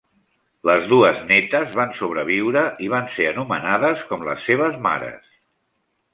Les dues nétes van sobreviure i van ser anomenades com les seves mares.